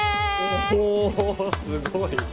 おぉすごい！